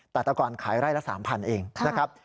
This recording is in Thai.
แต่ตะก่อนขายไร่ละ๓๐๐เองนะครับ